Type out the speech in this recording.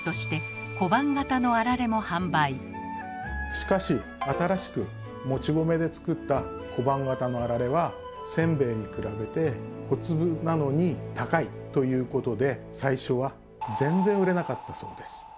しかし新しくもち米で作った小判形のあられはせんべいに比べて小粒なのに高いということで最初は全然売れなかったそうです。